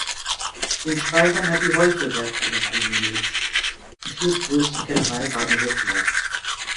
In Schwaigern hat die Heuchelberg-Kellerei ihren Sitz, die viertgrößte Kellerei Baden-Württembergs.